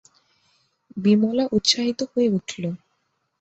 বিমলা উৎসাহিত হয়ে উঠল।